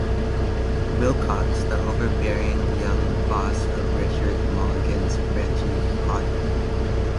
Wilcox, the overbearing young boss of Richard Mulligan's Reggie Potter.